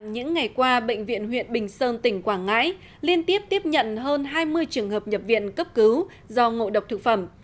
những ngày qua bệnh viện huyện bình sơn tỉnh quảng ngãi liên tiếp tiếp nhận hơn hai mươi trường hợp nhập viện cấp cứu do ngộ độc thực phẩm